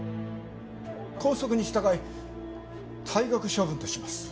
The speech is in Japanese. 校則に従い退学処分とします。